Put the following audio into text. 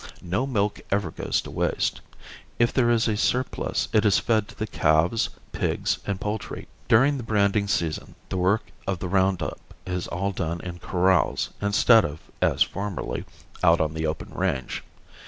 No milk ever goes to waste. If there is a surplus it is fed to the calves, pigs and poultry. During the branding season the work of the round up is all done in corrals instead of, as formerly, out upon the open range.